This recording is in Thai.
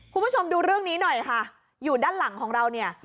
คุณผู้ชมดูเรื่องนี้หน่อยค่ะอยู่ด้านหลังของเราเนี่ย